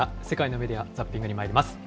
世界のメディア・ザッピングにまいります。